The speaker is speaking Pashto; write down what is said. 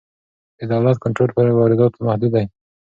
د دولت کنټرول پر وارداتو محدود دی.